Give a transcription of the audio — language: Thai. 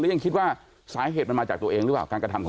หรือคนไทยยังคิดว่าสาเหตุมันมาจากการจุดจุดของตัวเองหรือเปล่ากัน